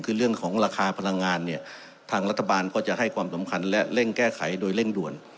คือเรื่องของราคาพลังงานเนี่ยทางรัฐบาลก็จะให้ความสำคัญและเร่งแก้ไขโดยเร่งด่วน